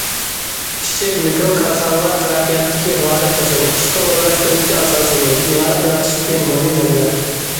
كىچىك، مىكرو كارخانىلار تەرەققىياتتىكى غالىپ قوشۇن، ئىشقا ئورۇنلاشتۇرۇشتىكى ئاساسىي يول، يېڭىلىق يارىتىشتىكى مۇھىم مەنبە.